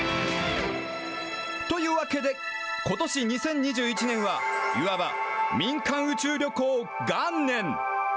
というわけで、ことし・２０２１年は、いわば民間宇宙旅行元年。